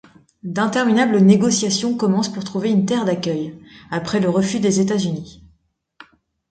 D’interminables négociations commencent pour trouver une terre d’accueil, après le refus des États-Unis.